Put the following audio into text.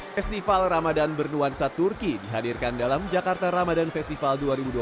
festival ramadhan bernuansa turki dihadirkan dalam jakarta ramadhan festival dua ribu dua puluh dua